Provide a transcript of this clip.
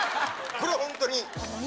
これはホントに。